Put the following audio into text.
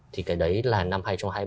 thì cái đấy là năm hai nghìn hai mươi